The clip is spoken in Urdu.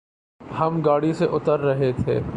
ہم گاڑی سے اتر رہ تھے